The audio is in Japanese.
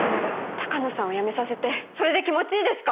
鷹野さんを辞めさせてそれで気持ちいいですか？